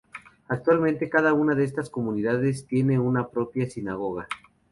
Actualmente, cada una de estas comunidades tiene su propia sinagoga.